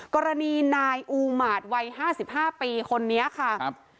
กรณีนายอูหมาดวัย๕๕ปีคนนี้ค่ะ